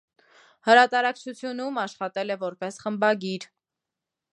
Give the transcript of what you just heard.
Հրատարակչությունում աշխատել է որպես խմբագիր։